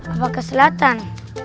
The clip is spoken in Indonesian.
atau ke selatan